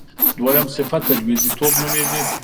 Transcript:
دویم صفت تجویزی توب نومېږي.